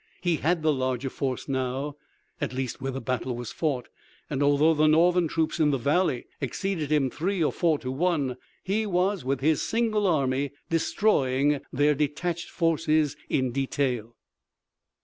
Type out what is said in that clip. He had the larger force now, at least where the battle was fought, and although the Northern troops in the valley exceeded him three or four to one, he was with his single army destroying their detached forces in detail.